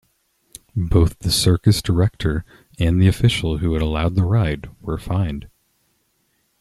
Both the circus director and the official who had allowed the ride were fined.